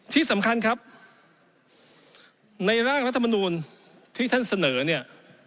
ที่สำคัญครับในร่างรัฐมนูลที่ท่านเสนอเนี่ย